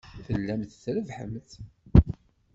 Tellamt trebbḥemt.